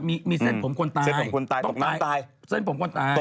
มีเส้นผมคนตายตกน้ำตาย